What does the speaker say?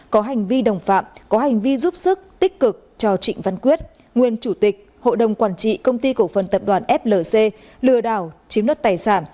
có hành vi đồng phạm có hành vi giúp sức tích cực cho trịnh văn quyết nguyên chủ tịch hội đồng quản trị công ty cổ phần tập đoàn flc lừa đảo chiếm đất tài sản